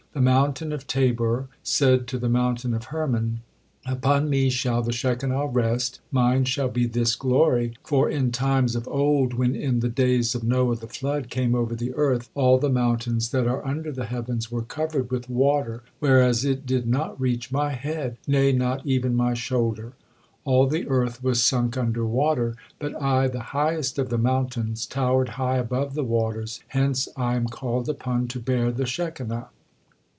The mountain of Tabor said to the mountain of Hermon: "Upon me shall the Shekinah rest, mine shall be this glory, for in times of old, when in the days of Noah the flood came over the earth, all the mountains that are under the heavens were covered with water, whereas it did not reach my head, nay, not even my shoulder. All the earth was sunk under water, but I, the highest of the mountains, towered high above the waters, hence I am called upon to bear the Shekinah."